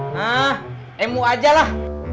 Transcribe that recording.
nah mu aja lah